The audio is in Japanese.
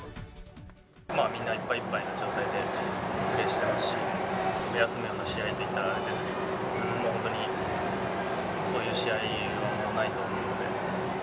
みんないっぱいいっぱいの状態でプレーしてますし、休むような試合と言ったらあれですけど、本当に、そういう試合はもうないと思うので。